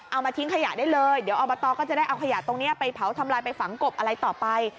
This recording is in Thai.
เอามาทิ้งขยะได้เลยเดี๋ยวอบตก็จะได้เอาขยะตรงนี้ไปเผาทำลายไปฝังกบอะไรต่อไป